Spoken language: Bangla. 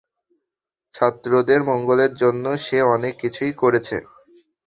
ছাত্রদের মঙ্গলের জন্য সে অনেক কিছুই করেছে।